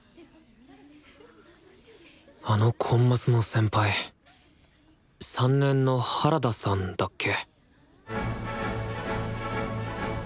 あのコンマスの先輩３年の原田さんだっけ？